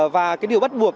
và điều bắt buộc